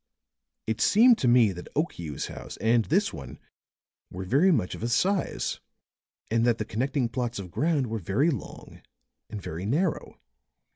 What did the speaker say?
It seemed to me that Okiu's house and this one were very much of a size and that the connecting plots of ground were very long and very narrow.